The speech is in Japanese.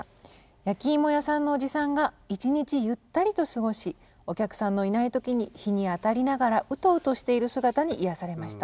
「焼きいも屋さんのおじさんが一日ゆったりと過ごしお客さんのいないときに日にあたりながらうとうとしている姿に癒されました。